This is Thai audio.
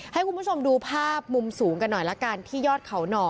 ให้คุณผู้ชมดูภาพมุมสูงกันหน่อยละกันที่ยอดเขาหน่อ